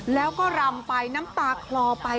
แล้วก็รำไปน้ำตาคลอไป